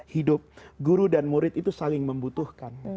hidup guru dan murid itu saling membutuhkan